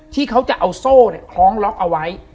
ที่เขาจะเอาโซ่คล้องล็อกเอาไว้